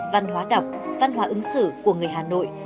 văn hóa đọc văn hóa ứng xử của người hà nội